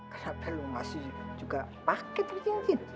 kenapa lu masih juga pake tuh cincin